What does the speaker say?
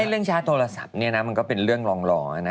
ใช่เรื่องชาร์จโทรศัพท์มันก็เป็นเรื่องรองรอง